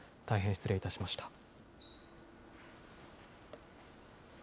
大変失礼いたしました。